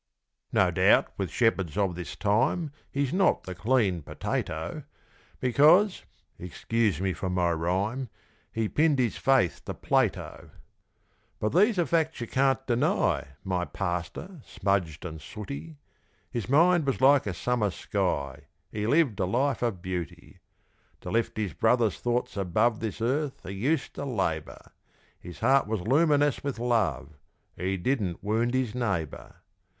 No doubt with "shepherds" of this time He's not the "clean potato", Because excuse me for my rhyme He pinned his faith to Plato. But these are facts you can't deny, My pastor, smudged and sooty, His mind was like a summer sky He lived a life of beauty To lift his brothers' thoughts above This earth he used to labour: His heart was luminous with love He didn't wound his neighbour.